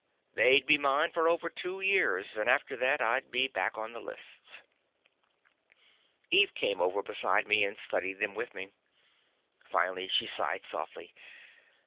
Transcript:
They'd be mine for over two years and after that, I'd be back on the lists. Eve came over beside me, and studied them with me. Finally she sighed softly.